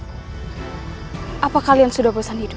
hai apa kalian sudah bosan hidup